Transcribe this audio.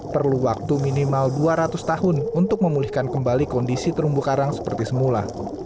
perlu waktu minimal dua ratus tahun untuk memulihkan kembali kondisi terumbu karang seperti semula